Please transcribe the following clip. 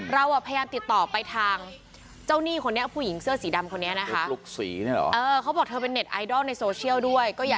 เราพยายามติดต่อไปทางเจ้าหนี้คนนี้ผู้หญิงเสื้อสีดำคนนี้นะคะ